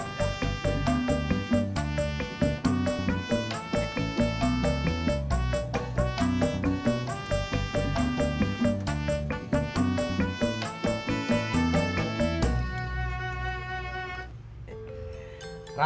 tidak saya mau ke rumah